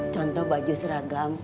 contoh baju seragam